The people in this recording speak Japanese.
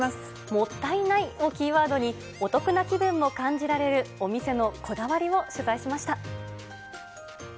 もったいないをキーワードに、お得な気分も感じられるお店のこだわりを取材しました。